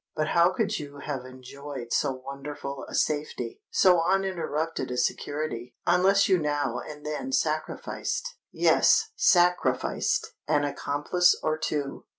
But how could you have enjoyed so wonderful a safety—so uninterrupted a security, unless you now and then sacrificed—yes, sacrificed—an accomplice or two?"